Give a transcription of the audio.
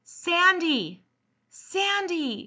"Sandy! Sandy!"